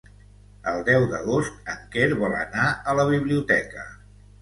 El deu d'agost en Quer vol anar a la biblioteca.